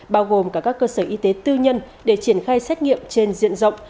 bao gồm cả các cơ sở y tế tư nhân để triển khai xét nghiệm trên diện rộng